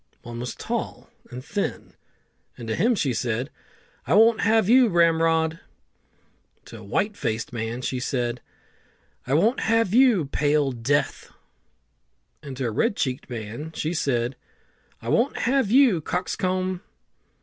One was tall and thin, and to him she said, "I won't have you, Ramrod!" To a white faced man she said, "I won't have you, Pale Death;" and to a red cheeked man she said, "I won't have you, Cockscomb!"